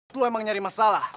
lo emang nyari masalah